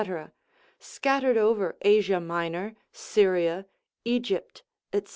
scattered over Asia Minor, Syria, Egypt, &c.